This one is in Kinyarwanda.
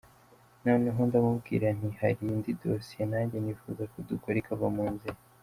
Noneho ndamubwira nti hari indi dosiye nanjye nifuza ko dukora ikava mu nzira.